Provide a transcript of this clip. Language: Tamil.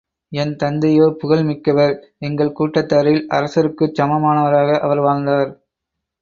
என் தந்தையோ புகழ் மிக்கவர் எங்கள் கூட்டத்தாரில் அரசருக்குச் சமமானவராக அவர் வாழ்ந்தார்.